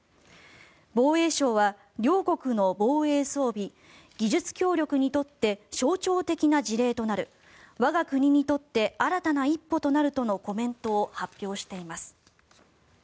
防衛省は両国の防衛装備技術協力にとって象徴的な事例となる我が国にとって新たな一歩となるとのコメントを発表しています。